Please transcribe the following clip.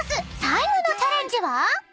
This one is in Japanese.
最後のチャレンジは］